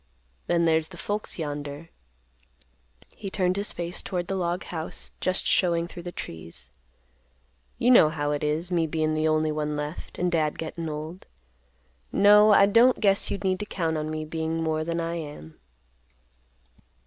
Then there's the folks yonder." He turned his face toward the log house, just showing through the trees. "You know how it is, me bein' the only one left, and Dad gettin' old. No, I don't guess you need to count on me bein' more than I am."